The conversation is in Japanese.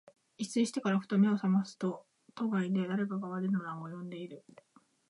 一睡してから、ふと眼めを覚ますと、戸外で誰かが我が名を呼んでいる。